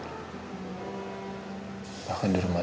apa ada welongan